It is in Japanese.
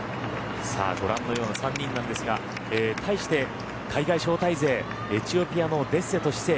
ご覧のような３人なんですが対して海外招待勢エチオピアのデッセとシセイ